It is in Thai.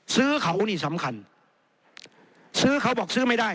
ซื้อเขานี่สำคัญซื้อเขาบอกซื้อไม่ได้